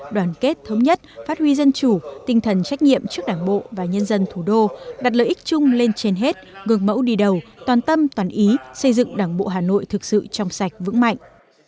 đồng chí đặt lợi ích chung lên trên hết ngược mẫu đi đầu toàn tâm toàn ý xây dựng đảng bộ hà nội thực sự trong sạch vững mạnh